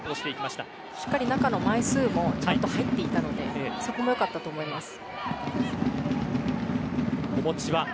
しっかり中の枚数も入っていたのでそこも良かったと思います。